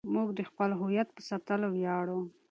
موږ د خپل هویت په ساتلو ویاړو.